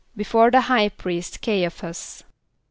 =Before the high priest C[=a]´ia ph[)a]s.